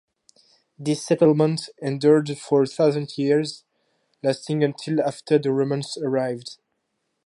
This settlement endured for a thousand years, lasting until after the Romans arrived.